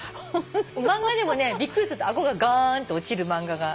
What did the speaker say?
漫画でもねびっくりするとあごがガーンと落ちる漫画が。